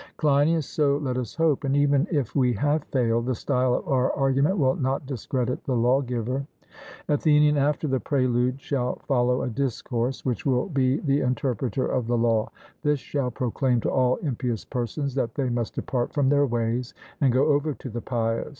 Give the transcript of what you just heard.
CLEINIAS: So let us hope; and even if we have failed, the style of our argument will not discredit the lawgiver. ATHENIAN: After the prelude shall follow a discourse, which will be the interpreter of the law; this shall proclaim to all impious persons that they must depart from their ways and go over to the pious.